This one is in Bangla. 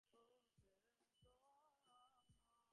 ওটা ওয়েস্টার্ন ছিল না।